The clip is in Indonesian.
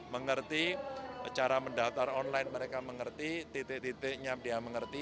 mengerti cara mendaftar online mereka mengerti titik titiknya dia mengerti